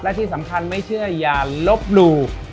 และที่สำคัญไม่เชื่ออย่าลบหลู่